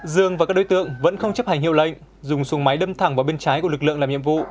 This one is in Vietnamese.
dương và các đối tượng vẫn không chấp hành hiệu lệnh dùng máy đâm thẳng vào bên trái của lực lượng làm nhiệm vụ